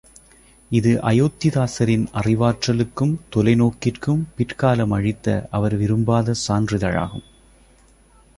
இது அயோத்திதாசரின் அறிவாற்றலுக்கும் தொலைநோக்கிற்கும் பிற்காலம் அளித்த அவர் விரும்பாத சான்றிதழாகும்.